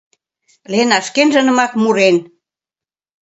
— Лена шкенжынымак мурен.